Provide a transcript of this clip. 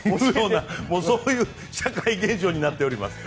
そういう社会現象になっております。